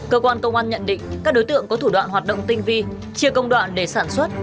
cơ quan công an nhận định các đối tượng có thủ đoạn hoạt động tinh vi chia công đoạn để sản xuất